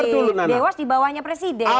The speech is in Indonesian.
dengar dulu nana